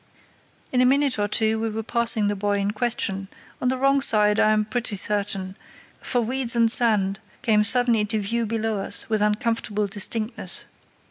In a minute or two we were passing the buoy in question, on the wrong side I am pretty certain, for weeds and sand came suddenly into view below us with uncomfortable distinctness.